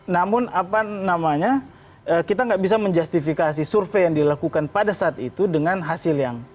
namun apa namanya kita nggak bisa menjustifikasi survei yang dilakukan pada saat itu dengan hasil yang